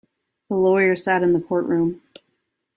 The lawyer sat in the courtroom.